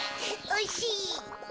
おいしい。